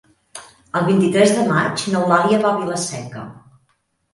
El vint-i-tres de maig n'Eulàlia va a Vila-seca.